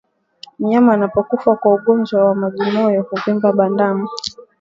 Mnyama anapokufa kwa ugonjwa wa majimoyo huvimba bandama